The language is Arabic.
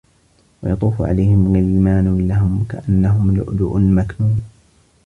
وَيَطوفُ عَلَيهِم غِلمانٌ لَهُم كَأَنَّهُم لُؤلُؤٌ مَكنونٌ